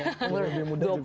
umur lebih muda juga